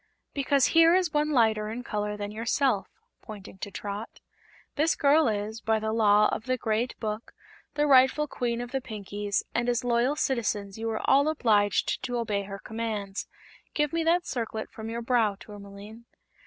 "Because here is one lighter in color than yourself," pointing to Trot. "This girl is, by the Law of the Great Book, the rightful Queen of the Pinkies, and as loyal citizens you are all obliged to obey her commands. Give me that circlet from your brow, Tourmaline."